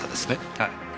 はい。